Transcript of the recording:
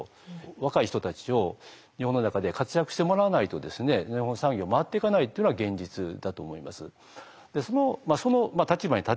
若い人たちを日本の中で活躍してもらわないと日本産業回っていかないっていうのが現実だと思います。